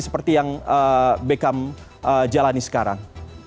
seperti yang beckham jalani sekarang